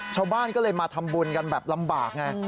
ชาวบ้านก็เลยมาทำบุญกันแบบลำบากไง